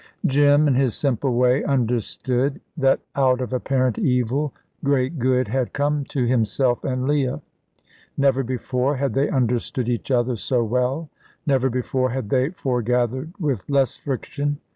Jim, in his simple way, understood that out of apparent evil great good had come to himself and Leah. Never before had they understood each other so well; never before had they forgathered with less friction.